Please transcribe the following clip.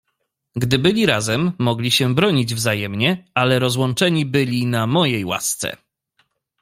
"Gdy byli razem, mogli się bronić wzajemnie, ale rozłączeni byli na mojej łasce."